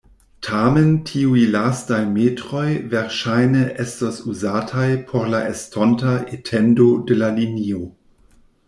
Tamen tiuj lastaj metroj verŝajne estos uzataj por la estonta etendo de la linio.